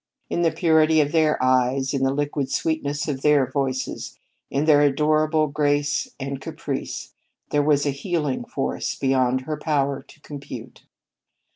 In the purity of their eyes, in the liquid sweetness of their voices, in their adorable grace and caprice, there was a healing force beyond her power to compute.